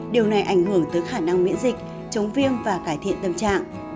điều này ảnh hưởng tới khả năng miễn dịch chống viêm và cải thiện tâm trạng